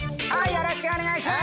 よろしくお願いします。